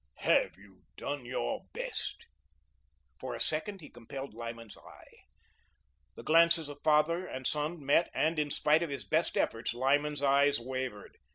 "Have you done your best?" For a second he compelled Lyman's eye. The glances of father and son met, and, in spite of his best efforts, Lyman's eyes wavered.